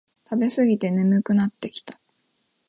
食べすぎて眠くなってきた